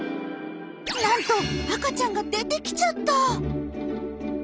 なんと赤ちゃんが出てきちゃった！